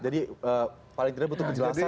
jadi paling tidak butuh kejelasan ya